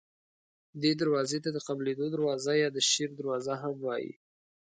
دې دروازې ته د قبیلو دروازه یا د شیر دروازه هم وایي.